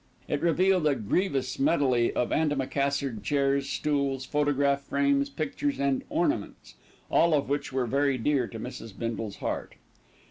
It revealed a grievous medley of antimacassared chairs, stools, photograph frames, pictures and ornaments, all of which were very dear to Mrs. Bindle's heart.